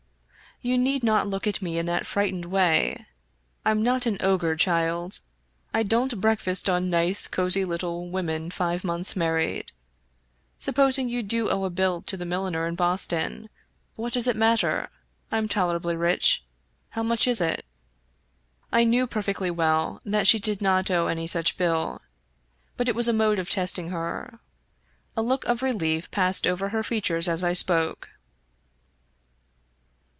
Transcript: You need not look at me in that frightened way. Fm not an ogre, child. I don't break fast on nice, cozy little women five months married. Sup posing you do owe a bill to the milliner in Boston — what does it matter? Fm tolerably rich. How much is it? " I knew perfectly well that she did not owe any such bill, but it was a mode of testing her. A look of relief passed over her features as I spoke.